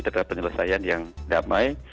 terdapat penyelesaian yang damai